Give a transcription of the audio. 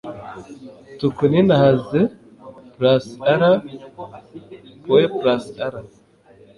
tukuninahaze, +r, +r